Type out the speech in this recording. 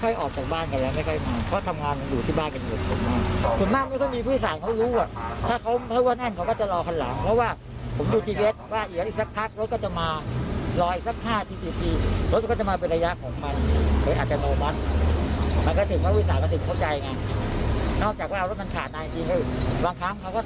อย่างไรเขาอยากไปได้คือให้นั่งเว้นระยะห่าง